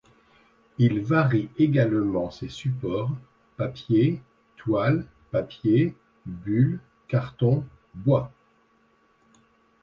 Il varie également ses supports : papier, toile, papier bulle, carton, bois.